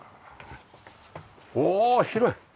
おお広い！